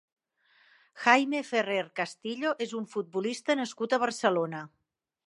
Jaime Ferrer Castillo és un futbolista nascut a Barcelona.